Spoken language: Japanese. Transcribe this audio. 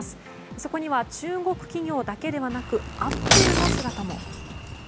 そこには中国企業だけでなくアップルの姿も。